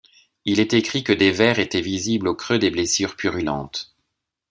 Il est écrit que des vers étaient visibles au creux des blessures purulentes.